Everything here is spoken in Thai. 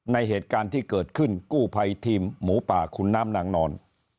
เหตุการณ์ที่เกิดขึ้นกู้ภัยทีมหมูป่าขุนน้ำนางนอน